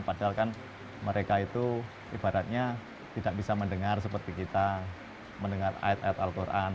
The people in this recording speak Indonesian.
padahal kan mereka itu ibaratnya tidak bisa mendengar seperti kita mendengar ayat ayat al quran